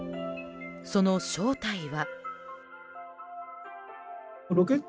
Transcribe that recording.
その正体は。